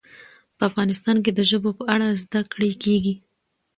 په افغانستان کې د ژبو په اړه زده کړه کېږي.